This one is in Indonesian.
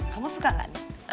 kamu suka nggak nih